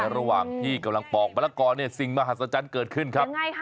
ระหว่างที่กำลังปอกมะละกอเนี่ยสิ่งมหัศจรรย์เกิดขึ้นครับ